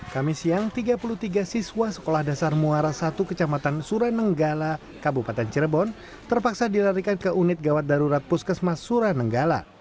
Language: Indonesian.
kami siang tiga puluh tiga siswa sekolah dasar muara satu kecamatan suranenggala kabupaten cirebon terpaksa dilarikan ke unit gawat darurat puskesmas suranenggala